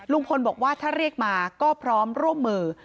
ลุงพลบอกว่าถ้าเรียกมาก็พร้อมร่วมมือ